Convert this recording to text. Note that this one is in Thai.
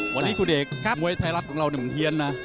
วันนี้คุณเอกมวยไทยรัฐของเราหนึ่งเฮียนนะ